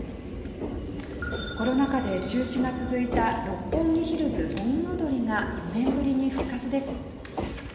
コロナ禍で中止が続いた六本木ヒルズ盆踊りが４年ぶりに復活です。